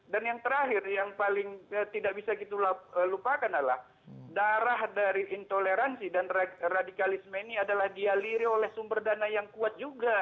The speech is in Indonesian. dan yang terakhir yang paling tidak bisa kita lupakan adalah darah dari intoleransi dan radikalisme ini adalah dialiri oleh sumber dana yang kuat juga